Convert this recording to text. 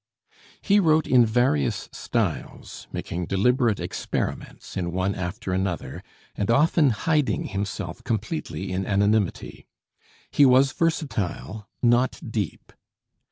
He wrote in various styles, making deliberate experiments in one after another, and often hiding himself completely in anonymity. He was versatile, not deep.